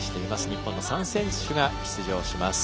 日本の３選手が出場します。